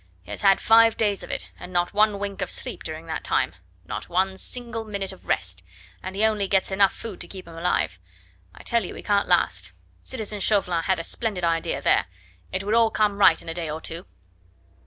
He has had five days of it, and not one wink of sleep during that time not one single minute of rest and he only gets enough food to keep him alive. I tell you he can't last. Citizen Chauvelin had a splendid idea there. It will all come right in a day or two."